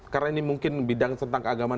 karena ini mungkin bidang tentang keagamaan